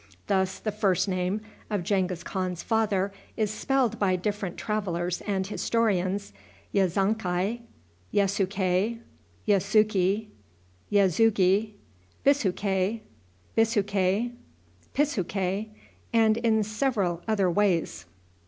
Thus the first name of Genghis Khan's father is spelled by different travelers and historians, Yezonkai, Yesukay, Yessuki, Yesughi, Bissukay, Bisukay, Pisukay, and in several other ways.